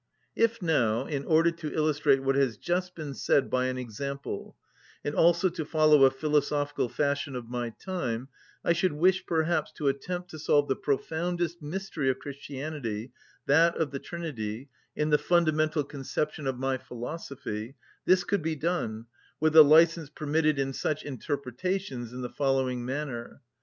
If now, in order to illustrate what has just been said by an example, and also to follow a philosophical fashion of my time, I should wish perhaps to attempt to solve the profoundest mystery of Christianity, that of the Trinity, in the fundamental conception of my philosophy, this could be done, with the licence permitted in such interpretations, in the following manner.